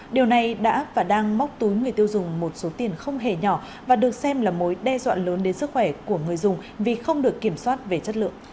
điều này đã và đang móc túi người tiêu dùng một số tiền không hề nhỏ và được xem là mối đe dọa lớn đến sức khỏe của người dùng vì không được kiểm soát về chất lượng